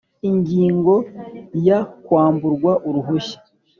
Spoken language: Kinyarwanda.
Ingingo ya Kwamburwa uruhushya